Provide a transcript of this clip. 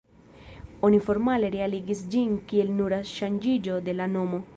Oni formale realigis ĝin kiel nura ŝanĝiĝo de la nomo.